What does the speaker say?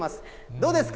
どうですか。